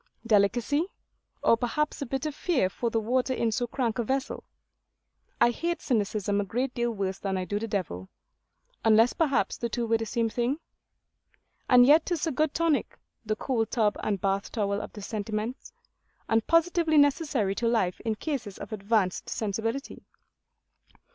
Delicacy? or perhaps a bit of fear for the water in so crank a vessel? I hate cynicism a great deal worse than I do the devil; unless perhaps the two were the same thing? And yet 'tis a good tonic; the cold tub and bath towel of the sentiments; and positively necessary to life in cases of advanced sensibility.